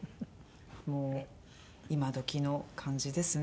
もう今どきの感じですね。